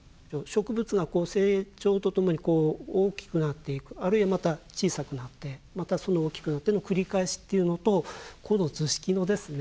植物が成長とともに大きくなっていくあるいはまた小さくなってまた大きくなっての繰り返しっていうのとこの図式のですね